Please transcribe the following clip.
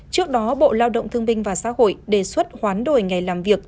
trước đó bộ lao động thương minh và xã hội đề xuất khoán đổi ngày làm việc